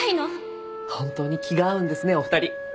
本当に気が合うんですねお二人。